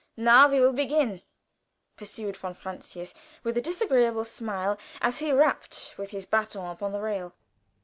"Now we will begin," pursued von Francius, with a disagreeable smile, as he rapped with his baton upon the rail.